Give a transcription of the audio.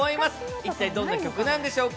一体どんな曲なんでしょうか。